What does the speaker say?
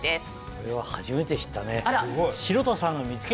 これは初めて知ったね。